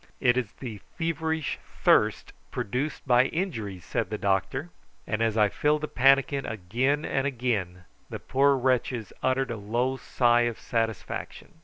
"It is the feverish thirst produced by injuries," said the doctor; and as I filled the pannikin again and again, the poor wretches uttered a low sigh of satisfaction.